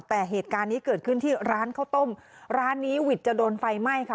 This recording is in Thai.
แต่เหตุการณ์นี้เกิดขึ้นที่ร้านข้าวต้มร้านนี้หวิดจะโดนไฟไหม้ค่ะ